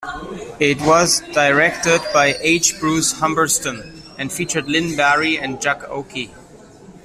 It was directed by H. Bruce Humberstone and featured Lynn Bari and Jack Oakie.